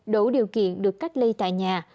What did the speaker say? đủ điều kiện được cách ly tại nhà